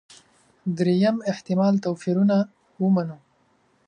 درېیم احتمال توپيرونه ومنو.